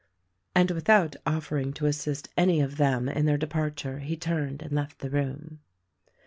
And without offering to assist any of them in their departure he turned and left the room.